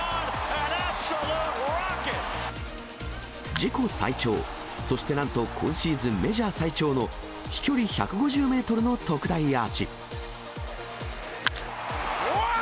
自己最長、そしてなんと今シーズンメジャー最長の飛距離１５０メートルの特大アーチ。